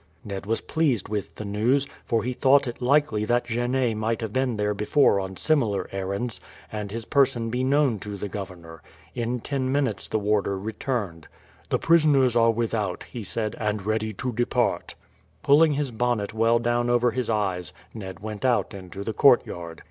Ned was pleased with the news, for he thought it likely that Genet might have been there before on similar errands, and his person be known to the governor. In ten minutes the warder returned. "The prisoners are without," he said, "and ready to depart." Pulling his bonnet well down over his eyes, Ned went out into the courtyard.